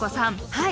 はい。